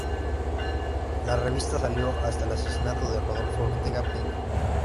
La revista salió hasta el asesinato de Rodolfo Ortega Peña.